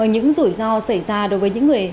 những rủi ro xảy ra đối với những người